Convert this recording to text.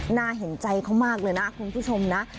น่าเห็นใจเขามากเลยนะคุณผู้ชมนะ